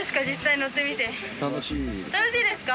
楽しいですか。